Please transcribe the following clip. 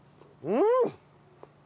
うん！